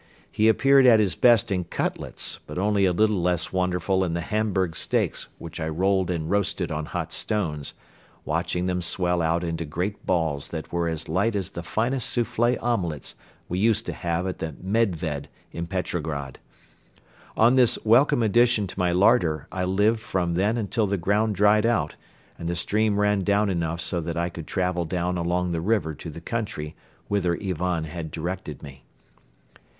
He appeared at his best in cutlets but only a little less wonderful in the Hamburg steaks which I rolled and roasted on hot stones, watching them swell out into great balls that were as light as the finest souffle omelettes we used to have at the "Medved" in Petrograd. On this welcome addition to my larder I lived from then until the ground dried out and the stream ran down enough so that I could travel down along the river to the country whither Ivan had directed me.